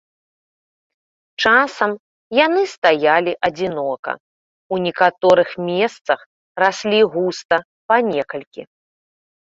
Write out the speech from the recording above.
Часам яны стаялі адзінока, у некаторых месцах раслі густа па некалькі.